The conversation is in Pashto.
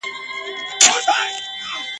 موږ ته ډک کندو له شاتو مالامال وي ..